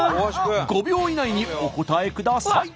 ５秒以内にお答えください。